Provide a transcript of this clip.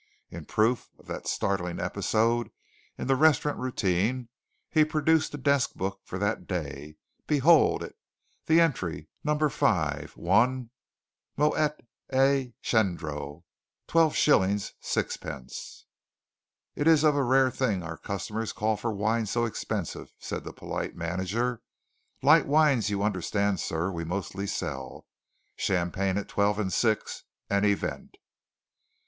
In proof of that startling episode in the restaurant routine, he produced the desk book for that day behold it, the entry: Number 5 1 Moet & Chandon, 12_s._ 6_d._ "It is of a rare thing our customers call for wine so expensive," said the polite manager. "Light wines, you understand, sir, we mostly sell. Champagne at twelve and six an event!"